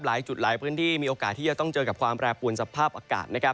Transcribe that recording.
หลายจุดหลายพื้นที่มีโอกาสที่จะต้องเจอกับความแปรปวนสภาพอากาศนะครับ